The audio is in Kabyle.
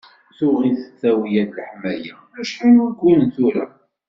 Tuɣ-it tawla n leḥmala acḥal n wagguren tura.